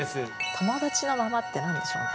「友達のまま」って何でしょうね。